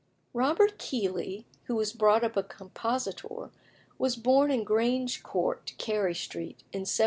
Robert Keeley, who was brought up a compositor, was born in Grange Court, Carey Street, in 1794.